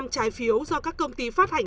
hai mươi năm trái phiếu do các công ty phát hành